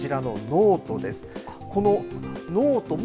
例えばこちらのノートです。